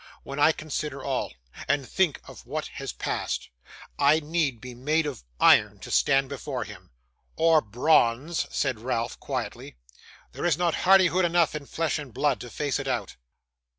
'When I consider all, and think of what has passed, I need be made of iron to stand before him.' 'Or bronze,' said Ralph, quietly; 'there is not hardihood enough in flesh and blood to face it out.